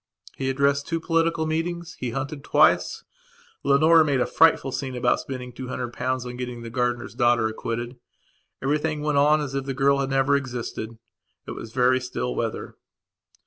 He addressed two political meetings; he hunted twice. Leonora made him a frightful scene about spending the two hundred pounds on getting the gardener's daughter acquitted. Everything went on as if the girl had never existed. It was very still weather.